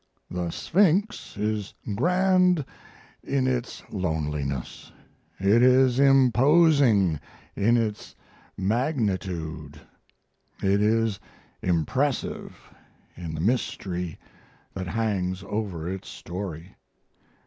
The Sphinx is grand in its loneliness; it is imposing in its magnitude; it is impressive in the mystery that hangs over its story.